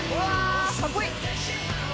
かっこいい！